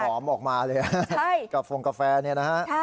หอมออกมาเลยอะกับฟองกาแฟเนี่ยนะคะ